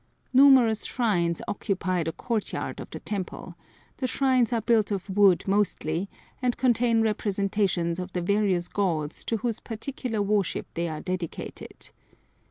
Numerous shrines occupy the court yard of the temple; the shrines are built of wood mostly, and contain representations of the various gods to whose particular worship they are dedicated.